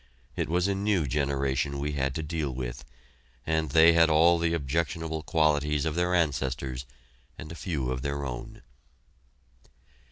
It was a new generation we had to deal with, and they had all the objectionable qualities of their ancestors, and a few of their own.